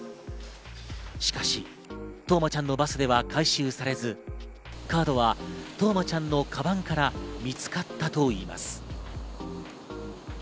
しかし、冬生ちゃんのバスでは回収されず、カードは冬生ちゃんのかばんから見つかったといいます。